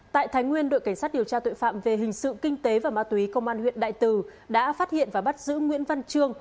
tại thái nguyên đội cảnh sát điều tra tội phạm về hình sự kinh tế và ma túy công an huyện đại từ đã phát hiện và bắt giữ nguyễn văn trương